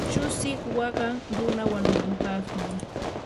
chusiq waqan runa wanunampaqmi.